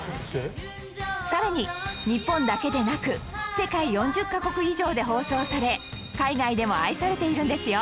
さらに日本だけでなく世界４０カ国以上で放送され海外でも愛されているんですよ